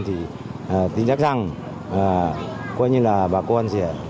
thì tin chắc rằng coi như là bà con sẽ đỡ phần nào với bà